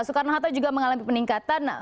soekarno hatta juga mengalami peningkatan